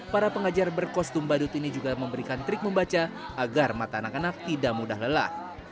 para pengajar berkostum badut ini juga memberikan trik membaca agar mata anak anak tidak mudah lelah